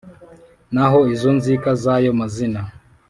Naho izo nzika z`ayo mazina